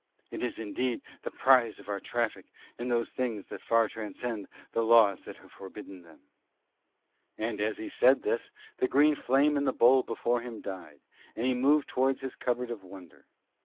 It is indeed the prize of our traffic in those things that far transcend the laws that have forbidden them." And as he said this the green flame in the bowl before him died, and he moved towards his cupboard of wonder.